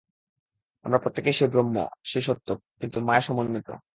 আমরা প্রত্যেকেই সেই ব্রহ্ম, সেই সত্য, কিন্তু মায়া-সমন্বিত।